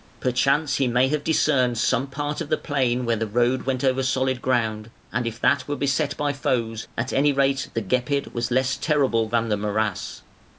Perchance he may have discerned some part of the plain where the road went over solid ground, and if that were beset by foes, at any rate the Gepid was less terrible than the morass.